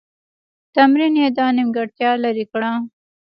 تمرین یې دا نیمګړتیا لیري کړه.